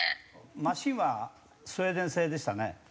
マシンはスウェーデン製でしたね。